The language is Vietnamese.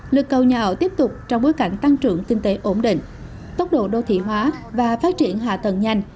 lực cầu nhà ở tiếp tục trong bối cảnh tăng trưởng kinh tế ổn định tốc độ đô thị hóa và phát triển hạ tầng nhanh